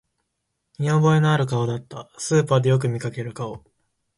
見覚えのある顔だった、スーパーでよく見かける顔